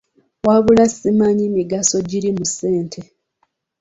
Wabula simanyi migaso giri mu ssente.